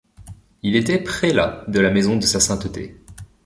Il était prélat de la maison de Sa Sainteté.